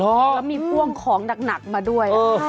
แล้วมีพ่วงของหนักมาด้วย